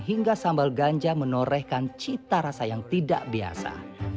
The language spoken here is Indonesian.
hingga sambal ganja menorehkan cita rasa yang tidak biasa